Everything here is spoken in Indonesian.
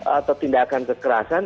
atau tindakan kekerasan